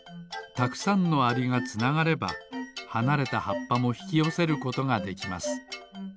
たくさんのアリがつながればはなれたはっぱもひきよせることができます。